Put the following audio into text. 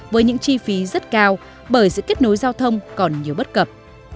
với những chi phí rất cao bởi sự kết nối giao thông còn nhiều bất cập